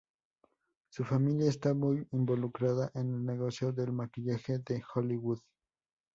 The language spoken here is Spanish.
Su familia está muy involucrada en el negocio del maquillaje de Hollywood.